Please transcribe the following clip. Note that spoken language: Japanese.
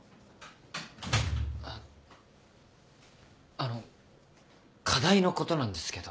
あっあの課題のことなんですけど。